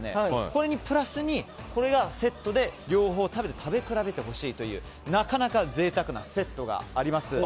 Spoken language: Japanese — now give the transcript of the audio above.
これにプラスにとろとろ煮込みをセットで両方食べ比べてほしいというなかなか贅沢なセットがあります。